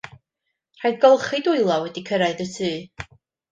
Rhaid golchi dwylo wedi cyrraedd y tŷ.